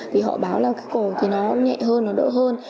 vì họ báo là cái cổ thì nó nhẹ hơn nó đỡ hơn